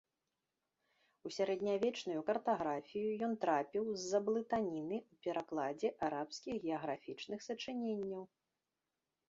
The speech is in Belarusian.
У сярэднявечную картаграфію ён трапіў з-за блытаніны ў перакладзе арабскіх геаграфічных сачыненняў.